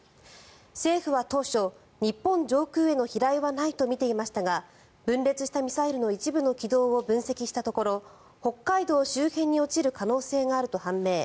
政府は当初、日本上空への飛来はないとみていましたが分裂したミサイルの一部の軌道を分析したところ北海道周辺に落ちる可能性があると判明。